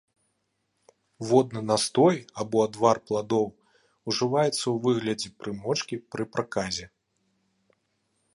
Водны настой або адвар пладоў ужываецца ў выглядзе прымочкі пры праказе.